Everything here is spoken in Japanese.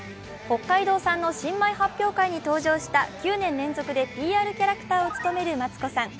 北海道産の新米発表会に登場した９年連続でＰＲキャラクターを務めるマツコさん。